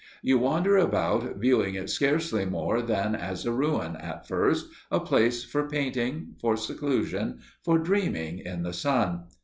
You wander about viewing it scarcely more than as a ruin, at first, a place for painting, for seclusion, for dreaming in the sun.